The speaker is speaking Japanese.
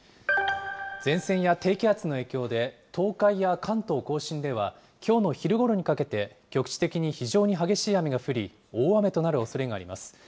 前線や低気圧の影響で、東海や関東甲信では、きょうの昼ごろにかけて、局地的に非常に激しい雨が降り、大雨となるおそれがあります。